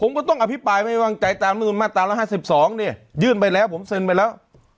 ผมก็ต้องอภิปายไว้ว่างใจเติมทรัพย์มากตามละ๕๒เนี่ยยุ่นไปแล้วผมเซ็นไปแล้ว